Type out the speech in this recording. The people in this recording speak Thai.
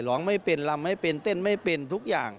ร้องไม่เป็นลำไม่เป็นเต้นไม่เป็นทุกอย่าง